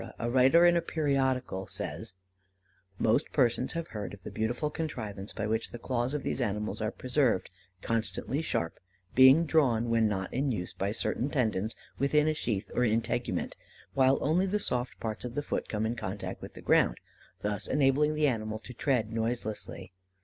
a writer in a periodical says: "Most persons have heard of the beautiful contrivance by which the claws of these animals are preserved constantly sharp; being drawn, when not used, by certain tendons, within a sheath or integument, while only the soft parts of the foot come in contact with the ground, thus enabling the animal to tread noiselessly.